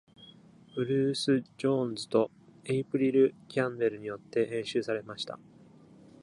ブルース・ジョーンズとエイプリル・キャンベルによって編集されました。